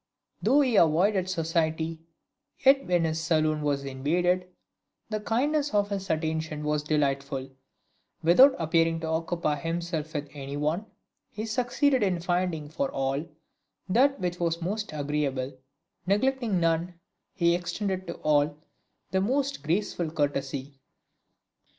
Though he avoided society, yet when his saloon was invaded, the kindness of his attention was delightful; without appearing to occupy himself with any one, he succeeded in finding for all that which was most agreeable; neglecting none, he extended to all the most graceful courtesy.